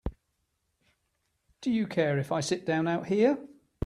Do you care if I sit down out here?